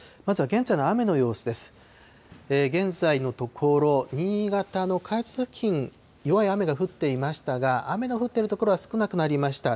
現在のところ、新潟の下越付近、弱い雨が降っていましたが、雨の降っている所は少なくなりました。